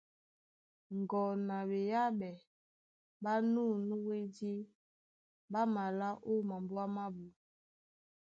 Ŋgo na ɓeyáɓɛ ɓá nû nú wédí ɓá malá ó mambóa mábū.